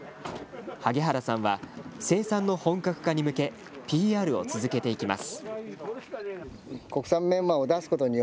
萩原さんは生産の本格化に向けＰＲを続けていきます。